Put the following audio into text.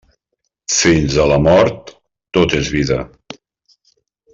Fins a la mort, tot és vida.